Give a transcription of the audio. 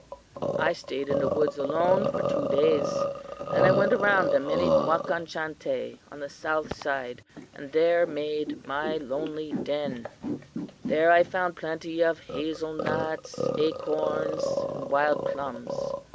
"'I stayed in the woods alone for two days then I went around the Minnewakan Chantay on the south side and there made my lonely den. There I found plenty of hazel nuts, acorns and wild plums.